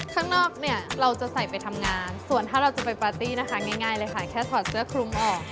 ข้างนอกเนี่ยเราจะใส่ไปทำงานส่วนถ้าเราจะไปปาร์ตี้นะคะง่ายเลยค่ะแค่ถอดเสื้อคลุมออก